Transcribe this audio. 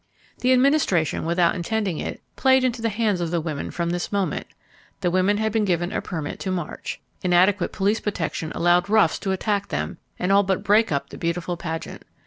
The Administration, without intending it, played into the hands of the women from this moment. The women had been given a permit to march. Inadequate police protection allowed roughs to attack them and all but break up the beautiful pageant.